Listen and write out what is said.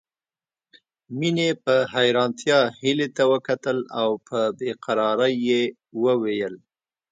مينې په حيرانتيا هيلې ته وکتل او په بې قرارۍ يې وويل